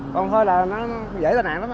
còn thôi là nó dễ tàn nạn lắm